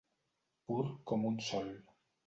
Pur com un sol.